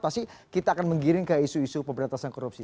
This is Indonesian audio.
pasti kita akan menggiring ke isu isu pemberantasan korupsi